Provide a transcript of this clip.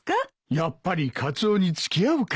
やっぱりカツオに付き合うかな。